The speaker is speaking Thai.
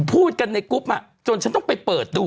พูดกันในกรุ๊ปจนฉันต้องไปเปิดดู